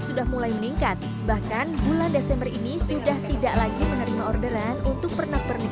sudah mulai meningkat bahkan bulan desember ini sudah tidak lagi menerima orderan untuk pernak pernik